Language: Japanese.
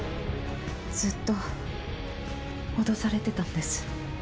ずっと脅されてたんです。